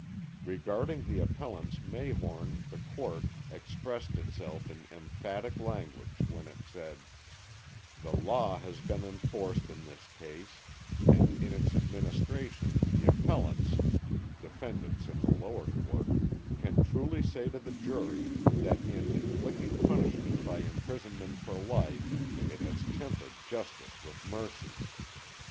(I Bishop on Criminal Law, III.) Regarding the appellants Mayhorn the Court expressed itself in emphatic language, when it said: "The law has been enforced in this case, and in its administration the appellants (defendants in the lower court) can truly say to the jury that in inflicting punishment by imprisonment for life 'it has tempered justice with mercy.'"